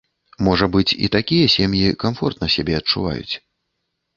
Можа быць, і такія сем'і камфортна сябе адчуваюць.